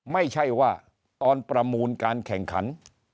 ไม่ใช่ว่าตอนประมูลการแข่งขัน